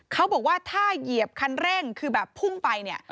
เขาบอกว่าถ้าเหยียบคันเร่งคือแบบพุ่งไปเนี่ย